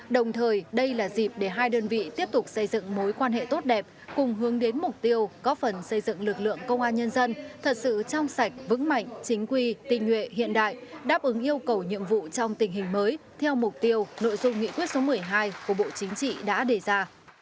đồng thời đây là dịp để hai đơn vị tiếp tục xây dựng mối quan hệ tốt đẹp cùng hướng đến mục tiêu có phần xây dựng lực lượng công an nhân dân thật sự trong sạch vững mạnh chính quy tình nguyện hiện đại đáp ứng yêu cầu nhiệm vụ trong tình hình mới theo mục tiêu nội dung nghị quyết số một mươi hai của bộ chính trị đã đề ra